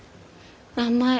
甘い。